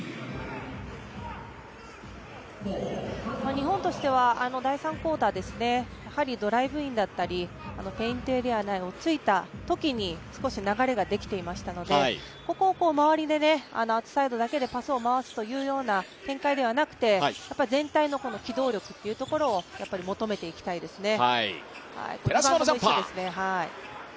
日本としては第３クオーター、やはりドライブインだったりペイントエリア内を突いたときに少し流れができていましたのでここを周りでアウトサイドだけでパスを回すという展開ではなくて全体の機動力というのを求めていきたいですね。